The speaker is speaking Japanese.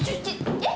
えっ！？